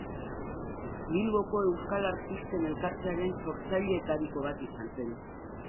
Bilboko Euskal Artisten Elkartearen sortzaileetariko bat izan zen.